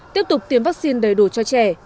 tiếp tục tiêm vaccine đầy đủ cho trẻ